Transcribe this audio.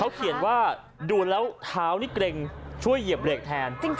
เขาเขียนว่าดูแล้วเท้านี่เกร็งช่วยเหยียบเหล็กแทน